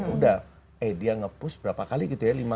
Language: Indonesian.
udah eh dia ngepost berapa kali gitu ya